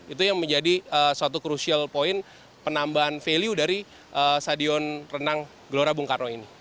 itu yang menjadi suatu crucial point penambahan value dari stadion renang gelora bung karno ini